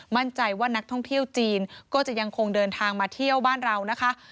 มั่นใจว่านักท่องเที่ยวจีนก็จะยังคงเดินทางมาเที่ยวบ้านเรานะคะ